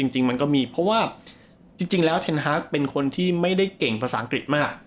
จริงมันก็มีเพราะว่าจริงแล้วเทนฮาร์กเป็นคนที่ไม่ได้เก่งภาษาอังกฤษมาก